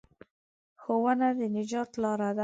ښوونه د نجات لاره ده.